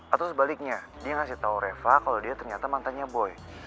atau sebaliknya dia ngasih tau reva kalau dia ternyata mantannya boy